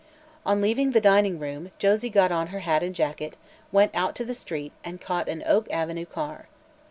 On leaving the dining room, Josie got on her hat and jacket, went out to the street and caught an Oak Avenue car.